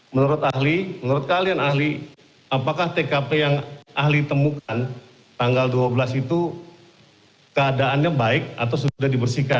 menurut ahli menurut kalian ahli apakah tkp yang ahli temukan tanggal dua belas itu keadaannya baik atau sudah dibersihkan